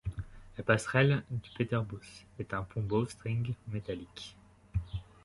La passerelle du Peterbos est un pont bow-string métallique.